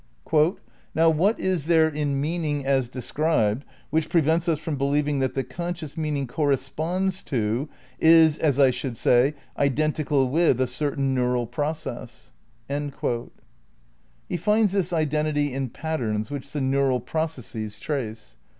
"Now ■what is there in meaning as described which prevents us from believing that the conscious meaning corresponds to, is as I should say, identical with a certain neural process." ' He finds this identity in patterns which the neural processes trace.